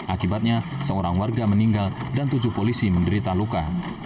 akibatnya seorang warga meninggal dan tujuh polisi menderita luka